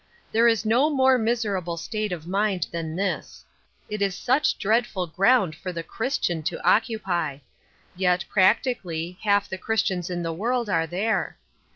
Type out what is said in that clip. There is no more miserable state of mind than this. It is such dreadful ground for the Christian to occupy I Yet, practically, half the Christians in the world are there.